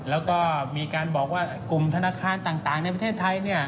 แล้วก็มีการบอกว่ากลุ่มธนาคารต่างในประเทศไทย